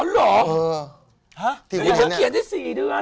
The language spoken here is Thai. อ๋อเหรอที่วันนี้เนี่ยเนี่ยเพิ่งเขียนได้๔เดือน